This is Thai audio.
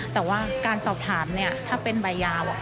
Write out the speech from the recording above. แต่ว่าการสอบถามเนี่ยถ้าเป็นใบยาว